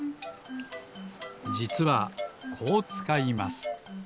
じつはこうつかいます。